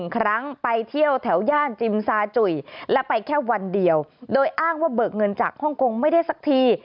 ครั้งไปเที่ยวแถวย่านจิมซาจุยและไปแค่วันเดียวโดยอ้างว่าเบิกเงินจากฮ่องกงไม่ได้สักที